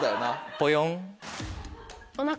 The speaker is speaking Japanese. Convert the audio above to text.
ポヨン。